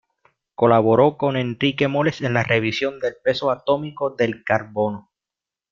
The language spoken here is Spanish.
Colaboró con Enrique Moles en la revisión del peso atómico del carbono.